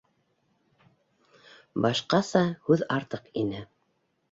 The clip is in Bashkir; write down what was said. Башҡаса һүҙ артыҡ ине.